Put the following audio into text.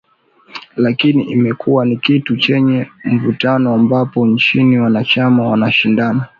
Lakini imekuwa ni kitu chenye mvutano ambapo nchi wanachama wanashindana